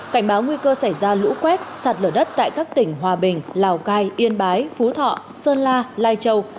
cảnh báo nguy cơ xảy ra lũ quét sạt lở đất tại các tỉnh hòa bình lào cai yên bái phú thọ sơn la lai châu